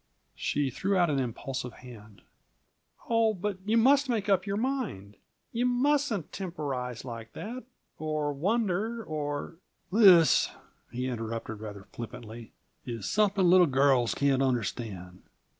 She threw out an impulsive hand. "Oh, but you must make up your mind! You mustn't temporize like that, or wonder or " "This," he interrupted rather flippantly, "is something little girls can't understand.